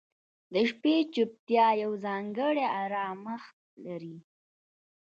• د شپې چوپتیا یو ځانګړی آرامښت لري.